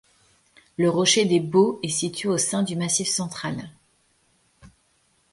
Le rocher des baux est situé au sein du Massif central.